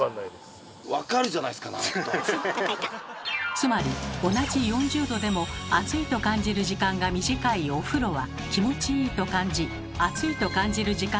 つまり同じ４０℃でも熱いと感じる時間が短いお風呂は気持ちいいと感じ暑いと感じる時間が長い